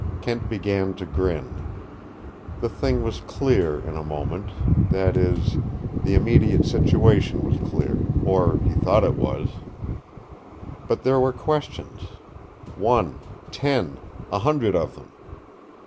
Kent began to grin. The thing was clear in a moment that is, the immediate situation was clear or he thought it was. But there were questions one, ten, a hundred of them.